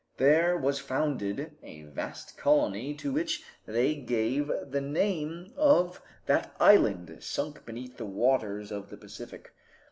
There was founded a vast colony to which they gave the name of that island sunk beneath the waters of the Pacific.